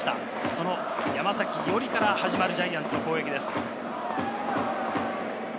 その山崎伊織から始まるジャイアンツの攻撃です。